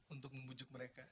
untuk membujuk mereka